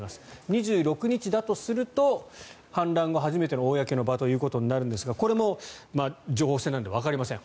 ２６日だとすると反乱後初めての公の場ということになりますがこれも情報戦なのでわかりません。